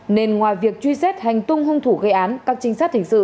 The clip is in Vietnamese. nên ngoài việc truy xét hành tung hung thủ gây án các trinh sát hình sự